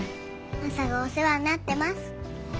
マサがお世話になってます。